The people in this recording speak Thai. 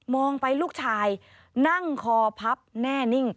องไปลูกชายนั่งคอพับแน่นิ่ง